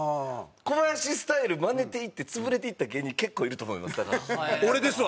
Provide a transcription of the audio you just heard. コバヤシスタイルマネていって潰れていった芸人結構いると思いますだから。